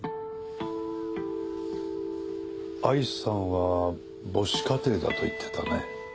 藍さんは母子家庭だと言ってたね。